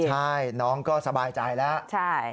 ใช่น้องก็สบายใจแล้ว